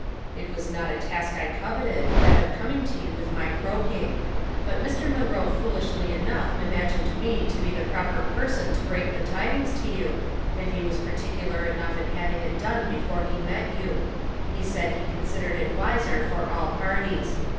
" It was not a task I coveted, that of coming to you with my croaking ; but Mr. Munroe fool ishly enough imagined me to be the proper person to break the tidings to you, and he was particular enough in having it done before he met you ; he said he considered it wiser for all parties.